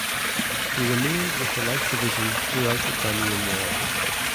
He remained with the Light Division throughout the Crimean War.